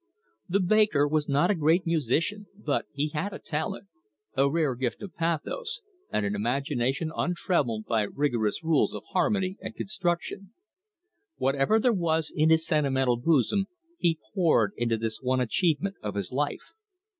The baker was not a great musician, but he had a talent, a rare gift of pathos, and an imagination untrammelled by rigorous rules of harmony and construction. Whatever there was in his sentimental bosom he poured into this one achievement of his life.